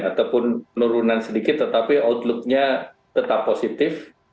ataupun penurunan sedikit tetapi outlooknya tetap positif